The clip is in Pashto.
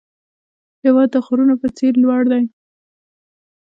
هېواد د غرونو په څېر لوړ دی.